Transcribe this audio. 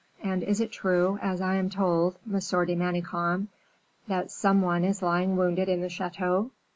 and is it true, as I am told, Monsieur de Manicamp, that some one is lying wounded in the chateau?"